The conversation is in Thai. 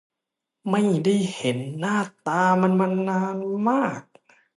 ไม่ได้เห็นหน้าตามันมานานมาก